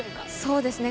そうですね